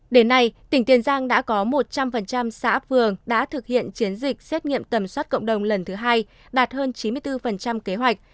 đến nay tỉnh tiền giang đã có một trăm linh xã phường đã thực hiện chiến dịch xét nghiệm tầm soát cộng đồng lần thứ hai đạt hơn chín mươi bốn kế hoạch